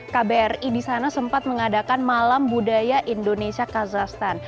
kbri di sana sempat mengadakan malam budaya indonesia kazahstan